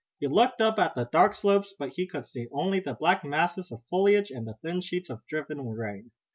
He looked up at the dark slopes, but he could see only the black masses of foliage and the thin sheets of driven rain.